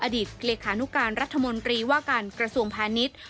อดีตเลขานุการรัฐมนตรีว่าการกระทรวงพาณิชย์